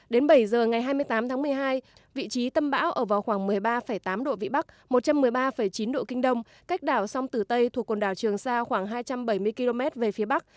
đến bảy giờ ngày hai mươi tám tháng một mươi hai vị trí tâm bão ở vào khoảng một mươi ba tám độ vĩ bắc một trăm một mươi ba chín độ kinh đông cách đảo song tử tây thuộc quần đảo trường sa khoảng hai trăm bảy mươi km về phía bắc